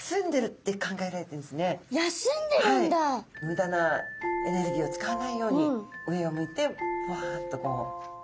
むだなエネルギーを使わないように上を向いてポワンとこう。